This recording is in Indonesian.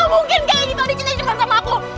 adi gak mungkin kayak gitu adi cintanya cuman sama aku